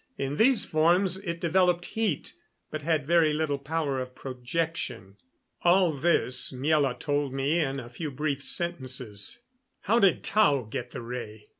In these forms it developed heat, but had very little power of projection. All this Miela told me in a few brief sentences. "How did Tao get the ray?"